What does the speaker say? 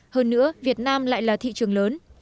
hơn nữa việt nam lại là thị trường lớn